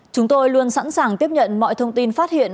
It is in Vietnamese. chúng tôi luôn sẵn sàng tiếp nhận mọi thông tin phát hiện